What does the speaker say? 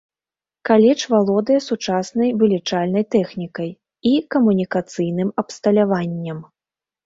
Каледж валодае сучаснай вылічальнай тэхнікай і камунікацыйным абсталяваннем.